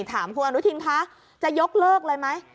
ถามคุณอนุทินคะจะยกเลิกเลยไหม